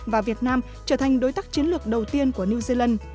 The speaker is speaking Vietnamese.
và việt nam trở thành đối tác chiến lược đầu tiên của new zealand